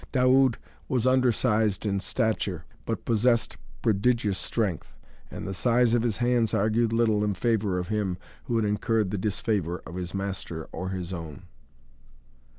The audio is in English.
Daoud was undersized in stature, but possessed prodigious strength, and the size of his hands argued little in favor of him who had incurred the disfavor of his master or his own.